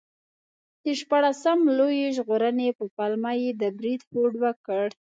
د شپاړسم لویي ژغورنې په پلمه یې د برید هوډ وکړ.